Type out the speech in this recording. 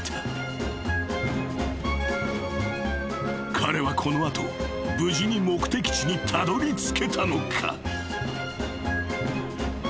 ［彼はこの後無事に目的地にたどりつけたのか？］